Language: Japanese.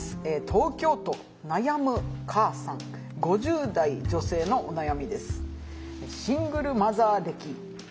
東京都悩む母さん５０代女性のお悩みです。